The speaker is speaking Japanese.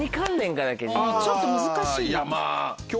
ちょっと難しい。